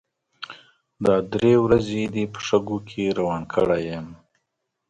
دا درې ورځې دې په شګو کې روان کړي يو.